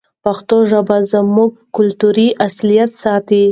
پښتو ژبه زموږ کلتوري اصالت ساتي.